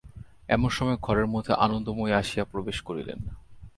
এমন সময় ঘরের মধ্যে আনন্দময়ী আসিয়া প্রবেশ করিলেন।